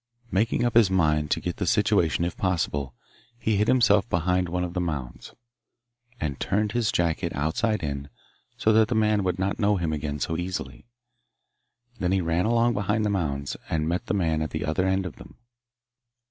Making up his mind to get the situation if possible, he hid himself behind one of the mounds, and turned his jacket outside in, so that the man would not know him again so easily. Then he ran along behind the mounds, and met the man at the other end of them.